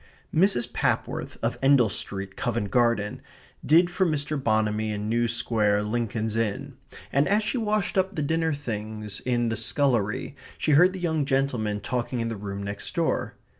Mrs. Papworth, of Endell Street, Covent Garden, did for Mr. Bonamy in New Square, Lincoln's Inn, and as she washed up the dinner things in the scullery she heard the young gentlemen talking in the room next door.